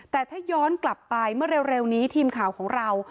แต่ถ้าย้อนกลับไปเมื่อเร็วนี้ทีมข่าวของเรา